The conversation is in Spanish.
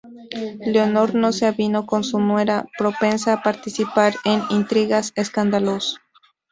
Leonor no se avino con su nuera, propensa a participar en intrigas y escándalos.